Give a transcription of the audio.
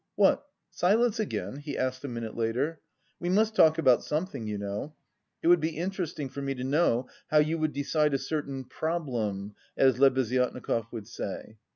"What, silence again?" he asked a minute later. "We must talk about something, you know. It would be interesting for me to know how you would decide a certain 'problem' as Lebeziatnikov would say."